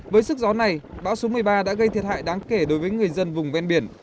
với sức gió này bão số một mươi ba đã gây thiệt hại đáng kể đối với người dân vùng ven biển